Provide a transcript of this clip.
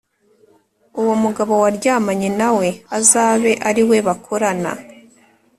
uwo mugabo waryamanye na we azabe ari we bakorana